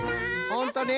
ほんとね。